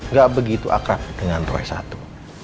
gak begitu akrab dengan roy satu